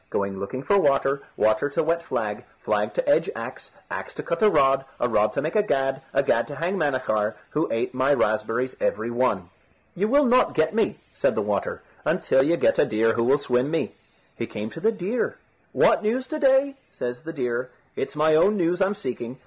Going looking for water, water to wet flag, flag to edge axe, axe to cut a rod, a rod to make a gad, a gad to hang Manachar, who ate my raspberries every one." "You will not get me," said the water, "until you get a deer who will swim me." He came to the deer. "What news to day?" says the deer. "It's my own news I'm seeking.